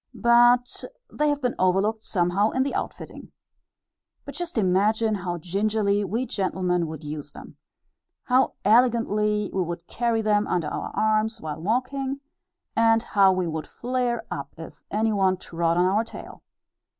But they have been overlooked somehow in the outfitting. But just imagine how gingerly we gentlemen would use them! How elegantly we would carry them under our arms while walking, and how we would flare up if any one trod on our tail!